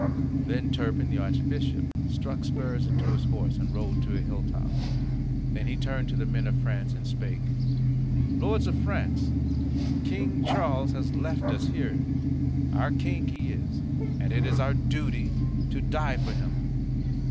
Then Turpin the Archbishop struck spurs into his horse, and rode to a hilltop. Then he turned to the men of France, and spake: "Lords of France, King Charles has left us here; our King he is, and it is our duty to die for him.